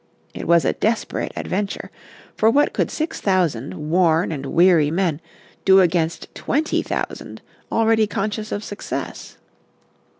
It was a desperate adventure, for what could six thousand worn and weary men do against twenty thousand already conscious of success?